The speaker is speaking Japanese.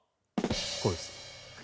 これです。